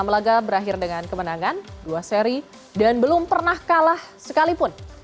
enam laga berakhir dengan kemenangan dua seri dan belum pernah kalah sekalipun